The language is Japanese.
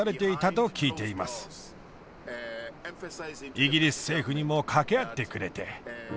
イギリス政府にも掛け合ってくれて。